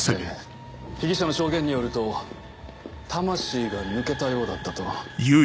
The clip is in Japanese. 被疑者の証言によると魂が抜けたようだったと。